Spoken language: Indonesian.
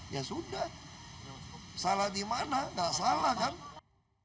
ya sudah salah di mana nggak salah kan